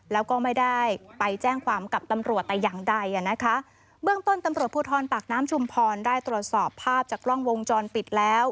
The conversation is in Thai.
แล้วก็ไม่ได้ไปแจ้งความกับตำรวจแต่อย่างใดอ่ะนะคะเบื้องต้นตำรวจภูทรปากน้ำชุมพรได้ตรวจสอบภาพจากกล้องวงจรปิดแล้ว